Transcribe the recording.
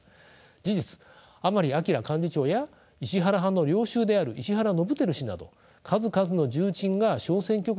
事実甘利明幹事長や石原派の領袖である石原伸晃氏など数々の重鎮が小選挙区で落選しました。